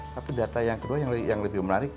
tapi data yang kedua yang lebih menarik